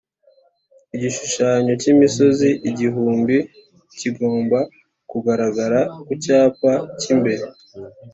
Igishushanyo cy’ imisozi igihumbi kigomba kugaragara ku cyapa cy’imbere